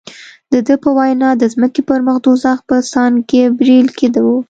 د ده په وینا د ځمکې پر مخ دوزخ په سان ګبرېل کې و.